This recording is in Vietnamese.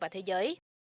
và thế giới